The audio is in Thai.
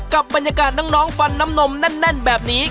กับบรรยากาศน้องฟันน้ำนมแน่นแบบนี้